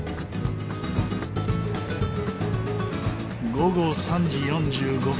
午後３時４５分。